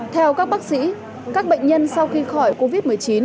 theo các bác sĩ các bệnh nhân sau khi khỏi covid một mươi chín